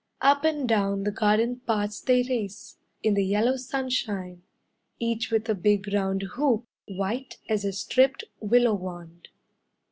Up and down the garden paths they race, In the yellow sunshine, Each with a big round hoop White as a stripped willow wand.